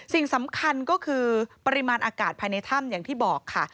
สิ่งสำคัญก็คือปริมาณอากาศภายในถ้ำ